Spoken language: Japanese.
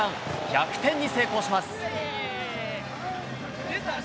逆転に成功します。